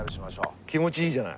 気持ちいいじゃない。